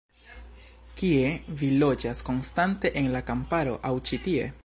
Kie vi loĝas konstante, en la kamparo aŭ ĉi tie?